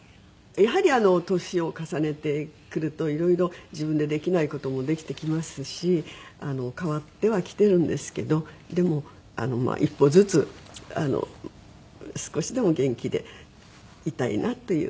やはり年を重ねてくるといろいろ自分でできない事もできてきますし変わってはきてるんですけどでも一歩ずつ少しでも元気でいたいなという